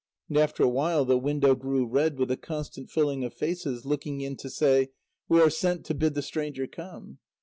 And after a while, the window grew red with a constant filling of faces looking in to say: "We are sent to bid the stranger come."